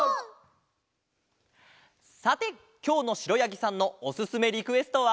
さてきょうのしろやぎさんのおすすめリクエストは。